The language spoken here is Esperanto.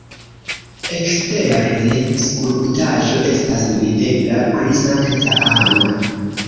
Ekstere skulptaĵo estas videbla pri Sankta Anna.